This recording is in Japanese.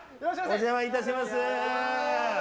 お邪魔いたします。